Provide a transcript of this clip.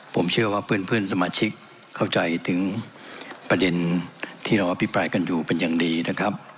ผมเชื่อว่าเพื่อนสมาชิกเข้าใจถึงประเด็นที่เราอภิปรายกันอยู่เป็นอย่างดีนะครับ